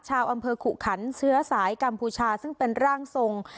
ชาวอำเภอขุขันเชื้อสายกัมพูชาซึ่งเป็นร่างทรง